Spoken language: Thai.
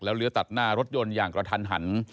เลื้อตัดหน้ารถยนต์อย่างกระทันหัน